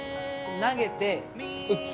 投げて打つ。